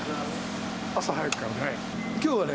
朝早くからね。